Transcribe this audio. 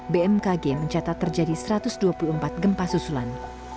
bmkg mencatat terjadi satu ratus dua puluh empat gempa susulan